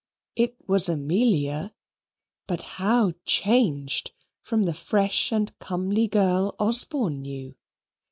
It was Amelia, but how changed from the fresh and comely girl Osborne knew.